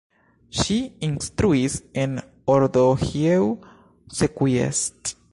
Ŝi instruis en Odorheiu Secuiesc.